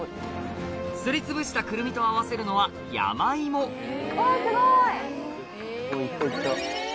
すりつぶしたくるみと合わせるのは山芋あすごい！